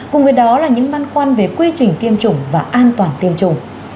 cùng với đó là những băn khoăn về quy trình tiêm chủng và an toàn tiêm chủng